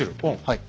はい。